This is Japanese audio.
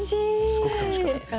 すごく楽しかったです。